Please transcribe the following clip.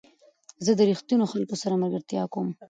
زه له رښتینو خلکو سره ملګرتیا کوم.